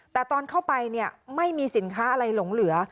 แต่ตอนเข้าไปไม่มีสินค้าอะไรหลงเหลือ